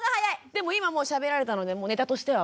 でも今もうしゃべられたのでネタとしてはもう。